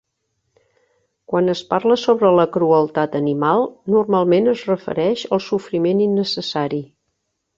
Quan es parla sobre la crueltat animal, normalment es refereix al sofriment innecessari.